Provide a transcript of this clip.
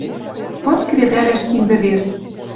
Пыт кредӓлӓш киндӹ верц.